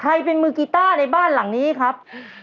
เป็นมือกีต้าในบ้านหลังนี้ครับ